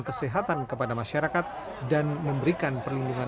kesehatan kepada masyarakat dan memberikan perlindungan